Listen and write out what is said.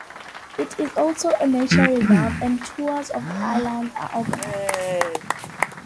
It is also a nature reserve, and tours of the island are organised.